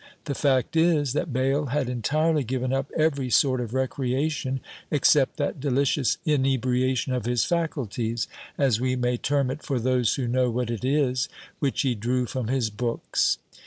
The fact is, that Bayle had entirely given up every sort of recreation except that delicious inebriation of his faculties, as we may term it for those who know what it is, which he drew from his books.